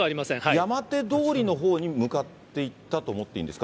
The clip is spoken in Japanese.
山手通りのほうに向かって行ったと思っていいんですか？